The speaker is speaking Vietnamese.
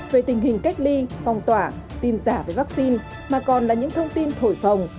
về tình hình cách ly phòng tỏa tin giả về vaccine mà còn là những thông tin thổi sồng